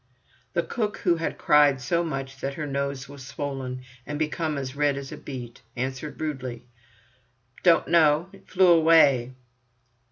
The cook, who had cried so much that her nose was swollen and become as red as a beet, answered rudely: "Don't know. It flew away."